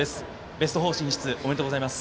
ベスト４進出おめでとうございます。